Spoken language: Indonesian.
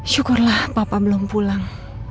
syukurlah papa belum pulang